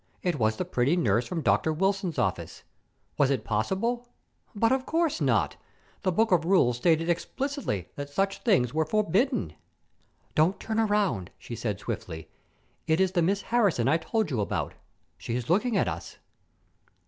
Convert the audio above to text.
It was the pretty nurse from Dr. Wilson's office. Was it possible but of course not! The book of rules stated explicitly that such things were forbidden. "Don't turn around," she said swiftly. "It is the Miss Harrison I told you about. She is looking at us."